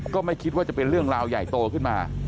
ก็ไม่คิดว่าจะเป็นเรื่องราวใหญ่โตขึ้นมา